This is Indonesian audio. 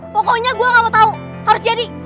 pokoknya gue gak mau tahu harus jadi